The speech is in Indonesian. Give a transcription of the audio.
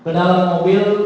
ke dalam mobil